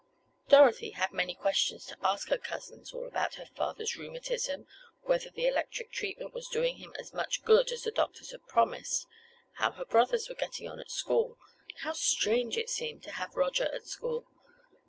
Dorothy had many questions to ask her cousins—all about her father's rheumatism—whether the electric treatment was doing him as much good as the doctors had promised—how her brothers were getting on at school—how strange it seemed to have Roger at school!